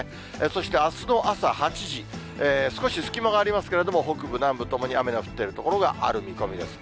そしてあすの朝８時、少し隙間がありますけれども、北部、南部ともに雨の降っている所がある見込みです。